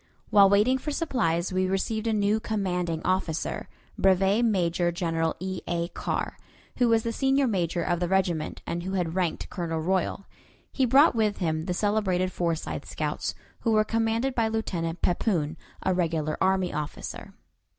While waiting for supplies we received a new commanding officer, Brevet Major General E. A. Carr, who was the senior major of the regiment, and who ranked Colonel Royal. He brought with him the celebrated Forsyth scouts, who were commanded by Lieutenant Pepoon, a regular army officer.